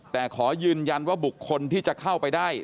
แต่ขอยืนยันว่าบุคคลที่จะเข้าไปได้